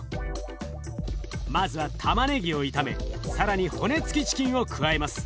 まずはたまねぎを炒め更に骨付きチキンを加えます。